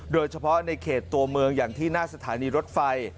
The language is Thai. โดยเฉพาะในเขตตัวเมืองอย่างที่หน้าสถานีรถไฟ